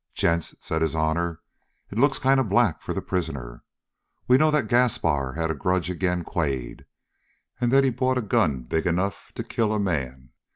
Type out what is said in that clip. "Gents," said his honor, "it looks kind of black for the prisoner. We know that Gaspar had a grudge agin' Quade, and that he bought a gun big enough to kill a man.